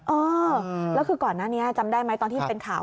เออแล้วคือก่อนหน้านี้จำได้ไหมตอนที่เป็นข่าว